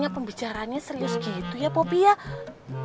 sepertimana sekarang nih pokoknya ya